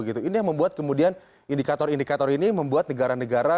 ini yang membuat kemudian indikator indikator ini membuat negara negara